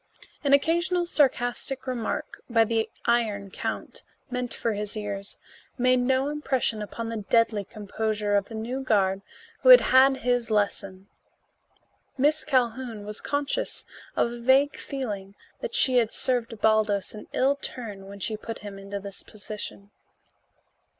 An occasional sarcastic remark by the Iron Count, meant for his ears, made no impression upon the deadly composure of the new guard who had had his lesson. Miss Calhoun was conscious of a vague feeling that she had served Baldos an ill turn when she put him into this position.